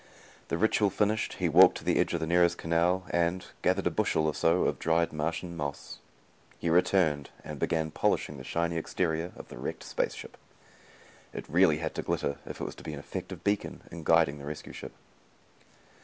The ritual finished, he walked to the edge of the nearest canal, and gathered a bushel or so of dried Martian moss. He returned and began polishing the shiny exterior of the wrecked space ship. It had to really glitter if it was to be an effective beacon in guiding the rescue ship.